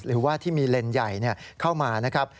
หรือว่าที่มีเลนส์ใหญ่เข้ามานะครับ